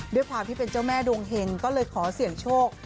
ด้วยความที่เป็นเจ้าแม่ดวงเห็งก็เลยขอเสี่ยงโชค